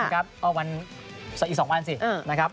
อีก๒วันสินะครับ